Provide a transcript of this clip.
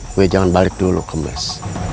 gue jangan balik dulu ke mes